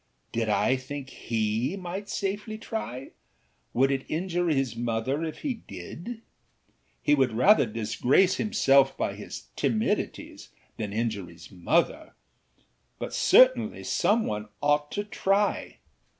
Did I think he might safely tryâwould it injure his mother if he did? He would rather disgrace himself by his timidities than injure his mother, but certainly some one ought to try.